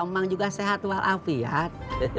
emang juga sehat walafiat